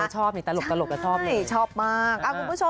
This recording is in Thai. ชอบนี่ตลกชอบนี่ชอบมาก